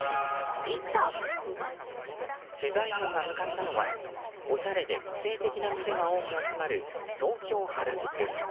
取材班が向かったのはおしゃれで個性的な店が集まる東京・原宿。